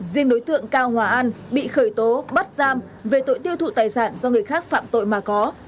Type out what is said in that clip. riêng đối tượng cao hòa an bị khởi tố bắt giam về tội tiêu thụ tài sản do người khác phạm tội mà có